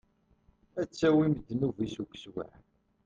Ad tawim ddnub-is, ugeswaḥ.